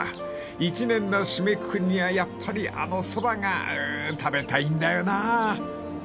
［一年の締めくくりにはやっぱりあのそばがうーん食べたいんだよなあ］